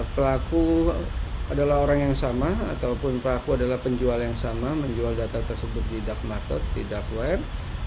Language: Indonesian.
pelaku adalah orang yang sama ataupun pelaku adalah penjual yang sama menjual data tersebut di dark market di dark web